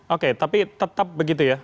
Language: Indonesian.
oke tapi tetap begitu ya